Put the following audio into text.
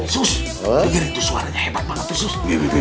sus denger itu suaranya hebat banget tuh sus